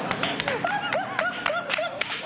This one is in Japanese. アハハハ！